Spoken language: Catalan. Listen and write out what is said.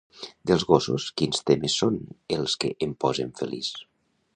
Dels Gossos quins temes són els que em posen feliç?